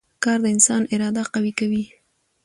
کار د انسان اراده قوي کوي